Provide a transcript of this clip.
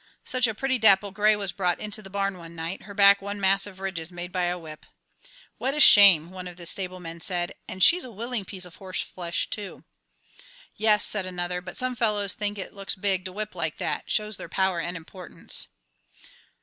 Such a pretty dapple gray was brought into the barn one night, her back one mass of ridges made by a whip. "What a shame!" one of the stable men said, "and she's a willing piece of horseflesh too." "Yes," said another, "but some fellows think it looks big to whip like that; shows their power and importance."